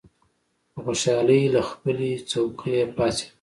په خوشالۍ له خپلې څوکۍ پاڅېد.